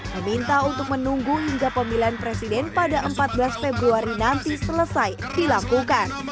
meminta untuk menunggu hingga pemilihan presiden pada empat belas februari nanti selesai dilakukan